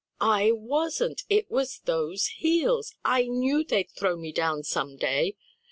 "I wasn't! it was those heels; I knew they'd throw me down some day!"